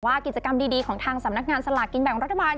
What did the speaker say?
กิจกรรมดีของทางสำนักงานสลากกินแบ่งรัฐบาล